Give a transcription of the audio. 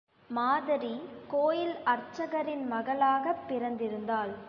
மாதரி கோயில் அர்ச்சகரின் மகளாகப் பிறந்திருந்தாள்.